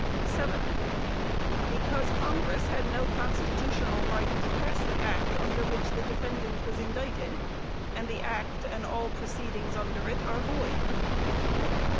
Seventh Because congress had no constitutional right to pass the act under which the defendant was indicted, and the act and all proceedings under it are void.